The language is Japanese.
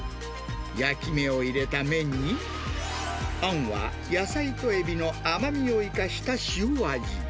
焼き目を入れた麺に、あんは野菜とエビの甘みを生かした塩味。